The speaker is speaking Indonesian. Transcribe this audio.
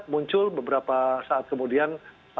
muncul beberapa saat kemudian